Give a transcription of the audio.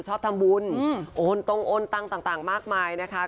โอนตรงโอนตังมากมายนะคะ